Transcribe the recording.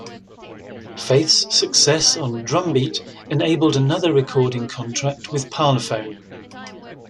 Faith's success on "Drumbeat" enabled another recording contract, with Parlophone.